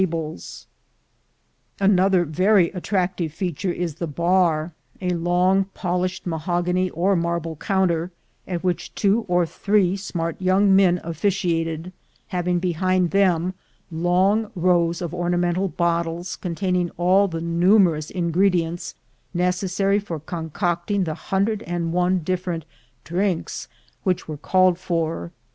72 THE GOLD HUNTERS Another very attractive feature is the bar, a long polished mahogany or marble counter, at which two or three smart young men officiated, having behind them long rows of ornamental bottles, containing all the numerous ingredients necessary for concocting the hundred and one different "drinks" which were called for.